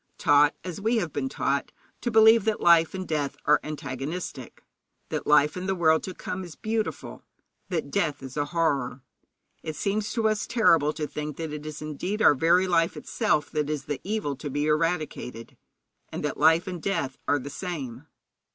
Taught, as we have been taught, to believe that life and death are antagonistic, that life in the world to come is beautiful, that death is a horror, it seems to us terrible to think that it is indeed our very life itself that is the evil to be eradicated, and that life and death are the same.